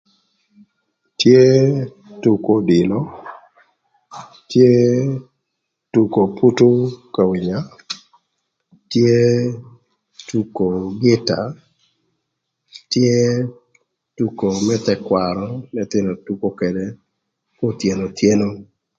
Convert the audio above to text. Tye tuko odilo, tye tuko putu ka wïnya, tye tuko gïta, tye tuko më thëkwarö n'ëthïnö tuko këdë kothyeno thyeno.